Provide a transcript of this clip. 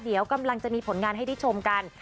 เดี๋ยวกำลังจะมีผลงานให้ได้ชมกัน